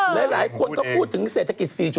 หลายคนก็พูดถึงเศรษฐกิจ๔๐